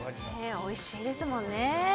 おいしいですもんね。